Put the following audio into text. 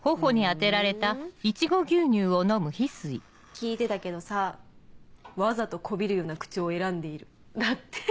聞いてたけどさ「わざと媚びるような口調を選んでいる」だって。